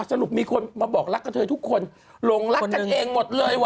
สนุกมีคนมาบอกรักกันให้ทุกคนหลงรักกันเองหมดเลยว่ะ